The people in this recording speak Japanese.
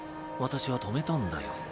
私は止めたんだよ。